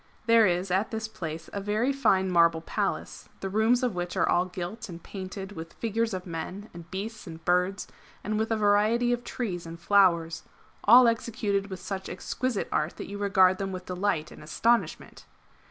There is at this place a very fine marble Palace, the rooms of which are all gilt and painted with figures of men and beasts and birds, and with a variety of trees and flowers, all executed with such exquisite art that you regard them with delight and astonishment.